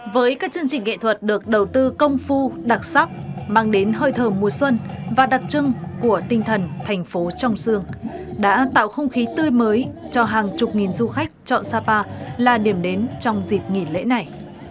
với các chương trình nghệ thuật được đầu tư công phu đặc sắc mang đến hơi thờ mùa xuân và đặc trưng của tinh thần thành phố trong xương đã tạo không khí tươi mới cho hàng chục nghìn du khách chọn sapa là điểm đến trong dịp nghỉ lễ này